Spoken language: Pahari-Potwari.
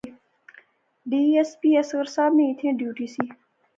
ڈی ایس پی اصغر صاحب نی ایتھیں ڈیوٹی سی